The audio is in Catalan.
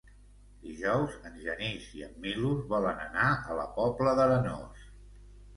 Dijous en Genís i en Milos volen anar a la Pobla d'Arenós.